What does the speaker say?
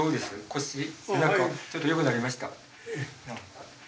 腰背中ちょっとよくなりました？